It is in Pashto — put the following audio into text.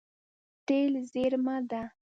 تېل زیرمه ده.